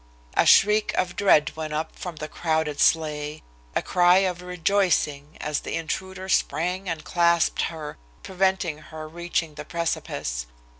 A shriek of dread went up from the crowded sleigh; a cry of rejoicing, as the intruder sprang and clasped her, preventing her reaching the precipice.